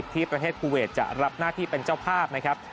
ที่ประเทศคูเวทจะรับหน้าที่เป็นเจ้าภาพนะครับ